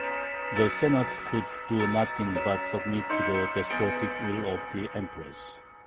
The Senate could do nothing but submit to the despotic will of the Empress.